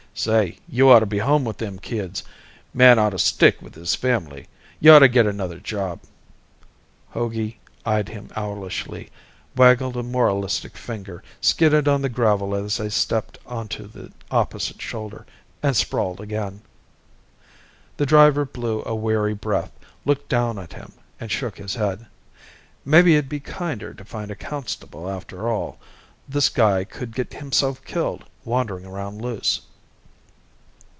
"Say, you oughta be home with them kids. Man oughta stick with his family. You oughta get another job." Hogey eyed him owlishly, waggled a moralistic finger, skidded on the gravel as they stepped onto the opposite shoulder, and sprawled again. The driver blew a weary breath, looked down at him, and shook his head. Maybe it'd be kinder to find a constable after all. This guy could get himself killed, wandering around loose.